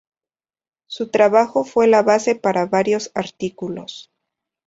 Su trabajo fue la base para varios artículos.